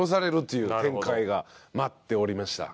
いう展開が待っておりました。